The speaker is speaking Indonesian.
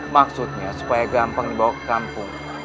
maksudnya supaya gampang bawa ke kampung